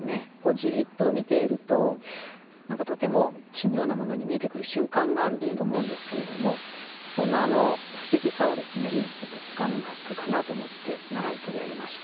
じっと見ていると何かとても奇妙なものに見えてくる瞬間があると思うんですけれどもそんな不思議さをちょっとつかんだ句かなと思って取り上げました。